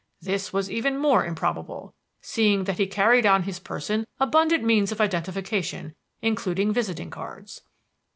This was even more improbable, seeing that he carried on his person abundant means of identification, including visiting cards.